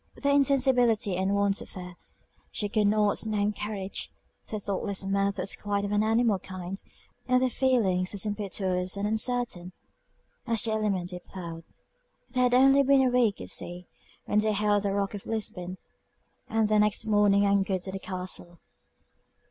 Their insensibility and want of fear, she could not name courage; their thoughtless mirth was quite of an animal kind, and their feelings as impetuous and uncertain as the element they plowed. They had only been a week at sea when they hailed the rock of Lisbon, and the next morning anchored at the castle.